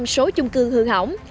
năm mươi số chung cư hư hỏng